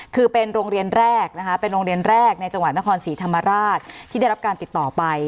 คือเป็นโรงเรียนแรกนะคะเป็นโรงเรียนแรกในจังหวัดนครศรีธรรมราชที่ได้รับการติดต่อไป